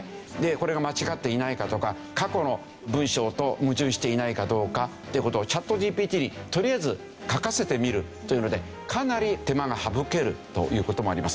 これが間違っていないかとか過去の文章と矛盾していないかどうかっていう事をチャットＧＰＴにとりあえず書かせてみるというのでかなり手間が省けるという事もあります。